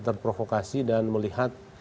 terprovokasi dan melihat